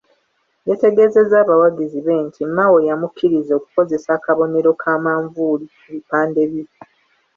Yategeezezza abawagizi be nti, Mao yamukkirizza okukozesa akabonero ka manvuuli ku bipande bye.